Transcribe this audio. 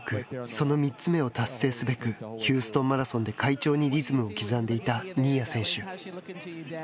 その３つ目を達成すべくヒューストンマラソンで快調にリズムを刻んでいた新谷選手。